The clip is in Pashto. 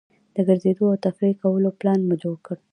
د ګرځېدو او تفریح کولو پلان مو جوړ کړ.